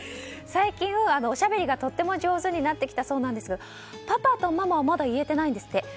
最近、おしゃべりがとっても上手になってきたそうなんですがパパとママはまだ言えてないんですって。